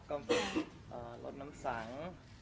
ก็ลดน้ำสัง